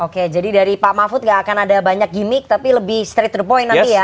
oke jadi dari pak mahfud enggak akan ada banyak gimmick tapi lebih straight to the point nanti ya